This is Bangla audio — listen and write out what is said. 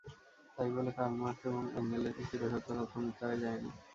তাই বলে কার্ল মার্ক্স এবং এঙ্গেলসের চিরসত্য তত্ত্ব মিথ্যা হয়ে যায়নি।